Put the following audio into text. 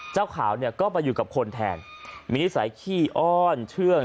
เจ้าขาวจะก็มาอยู่กับคนแทนมีภาษาที่อ้อนเชื่อง